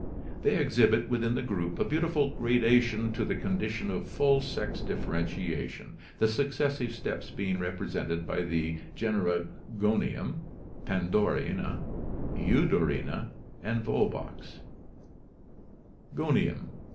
They exhibit within the group a beautiful gradation to the condition of full sex differ entiation, the successive steps being represented by the genera Gonium, Pandorina, Eudorina, and Volvox. Gonium.